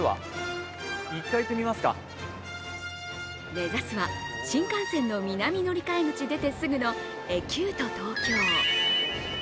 目指すは新幹線の南乗り換え口出てすぐのエキュート東京。